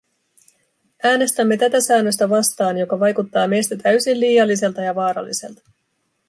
Äänestämme tätä säännöstä vastaan, joka vaikuttaa meistä täysin liialliselta ja vaaralliselta.